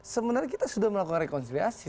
sebenarnya kita sudah melakukan rekonsiliasi